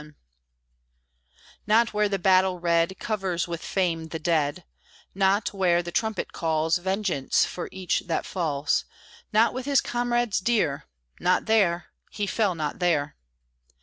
ON THE DEATH OF "JACKSON" [May 24, 1861] Not where the battle red Covers with fame the dead, Not where the trumpet calls Vengeance for each that falls, Not with his comrades dear, Not there he fell not there.